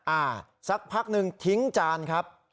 อ่าสักพักหนึ่งทิ้งจานครับ